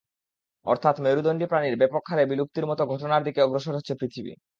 অর্থাৎ মেরুদণ্ডী প্রাণীর ব্যাপক হারে বিলুপ্তির মতো ঘটনার দিকে অগ্রসর হচ্ছে পৃথিবী।